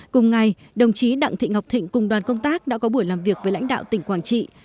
cùng ngày đồng chí đặng thị ngọc thịnh cùng đoàn công tác đã có buổi làm việc với lãnh đạo tỉnh quảng trị